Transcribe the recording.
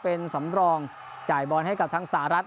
เป็นสำรองจ่ายบอลให้กับทางสหรัฐ